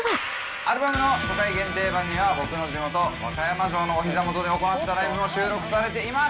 アルバムの初回限定盤には、僕の地元、和歌山城のおひざ元で行ったライブも収録されています。